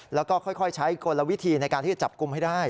แล้วก็ค่อยใช้กลวิธีในการที่จะจับกลุ่มให้ได้